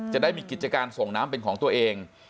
จะได้มีกิจการส่งน้ำเป็นของตัวเอง